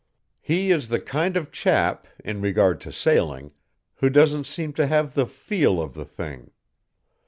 "He is the kind of chap, in regard to sailing, who doesn't seem to have the 'feel' of the thing.